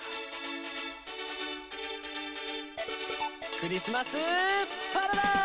クリスマスパラダーイス！